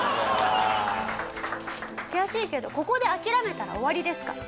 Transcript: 悔しいけどここで諦めたら終わりですから。